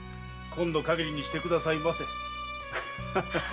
“今度限りにしてくださいませ”